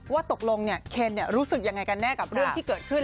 ว่าตกลงเคนรู้สึกยังไงกันแน่กับเรื่องที่เกิดขึ้น